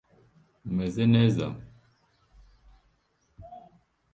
A. Richards refers to 'Symplegades' in his work Practical Criticism.